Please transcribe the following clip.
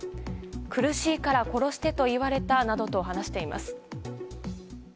苦しいから殺してと言われたなどと話しています。